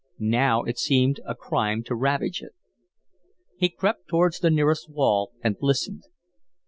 Now it seemed a crime to ravage it. He crept towards the nearest wall and listened.